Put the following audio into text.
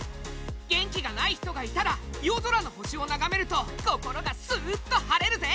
元気がない人がいたら夜空の星を眺めると心がスーッと晴れるぜ！